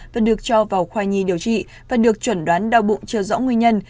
và được cho vào khoa nhi điều trị và được chuẩn đoán đau bụng chưa rõ nguyên nhân